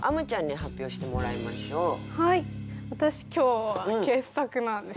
私今日は傑作なんです。